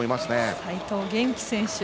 齋藤元希選手